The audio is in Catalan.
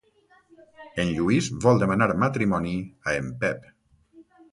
En Lluís vol demanar matrimoni a en Pep.